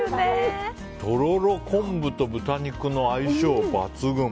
とろろ昆布と豚肉の相性抜群！